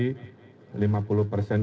lima puluh persen kapasitas yang diperbolehkan